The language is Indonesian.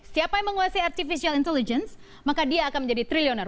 siapa yang menguasai artificial intelligence maka dia akan menjadi triliuner